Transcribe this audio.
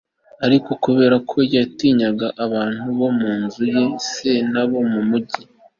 ariko kubera ko yatinyaga abantu bo mu nzu ya se n'abo mu mugi